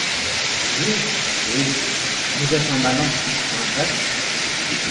Oui, oui, vous êtes un malin, un vrai!